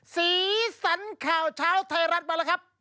สีสันข่าวเช้าไทยรัฐมาแล้วครับ